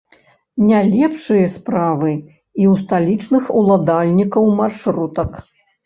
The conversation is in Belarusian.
Не лепшыя справы і ў сталічных уладальнікаў маршрутак.